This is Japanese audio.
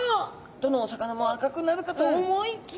どのお魚も赤くなるかと思いきや。